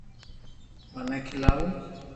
منو کيلاوُ